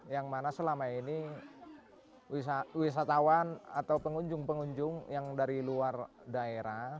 yang mana selama ini wisatawan atau pengunjung pengunjung yang dari luar daerah